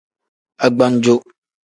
Agbannjo.